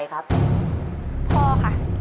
โทษโทษ